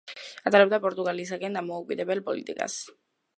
ატარებდა პორტუგალიისაგან დამოუკიდებელ პოლიტიკას.